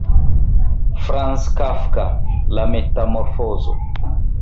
Franz Kafka: La metamorfozo.